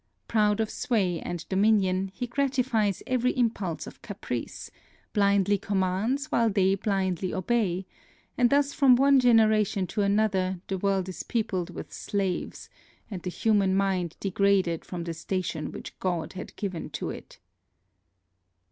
Proud of sway and dominion, he gratifies every impulse of caprice, blindly commands while they blindly obey; and thus from one generation to another the world is peopled with slaves, and the human mind degraded from the station which God had given to it.